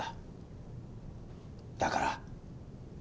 だから。